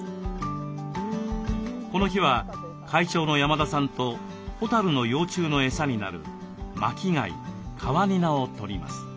この日は会長の山田さんとホタルの幼虫の餌になる巻き貝カワニナを取ります。